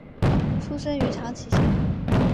出身于长崎县。